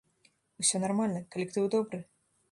Усё нармальна, калектыў добры.